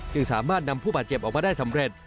จึงสามารถนำผู้บาดเจ็บออกมาได้สำเร็จ